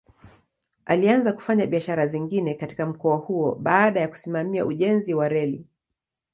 Alianza kufanya biashara zingine katika mkoa huo baada ya kusimamia ujenzi wa reli.